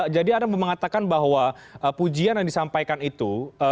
jadi anda mengatakan bahwa pujian yang disampaikan itu